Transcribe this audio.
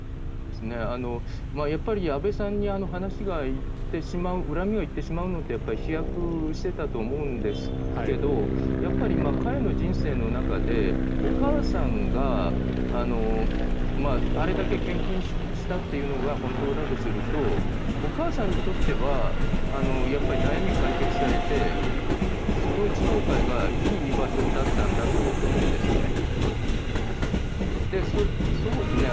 やっぱり安倍さんに恨みが行ってしまうのは飛躍していたと思うんですけど彼の人生の中でお母さんがあれだけ献金したというのが本当だとするとお母さんにとってはやっぱり悩みが解決されて統一教会がいい場所だったんだと思うんですよね。